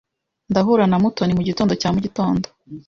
Ndahura na Mutoni mugitondo cya mugitondo.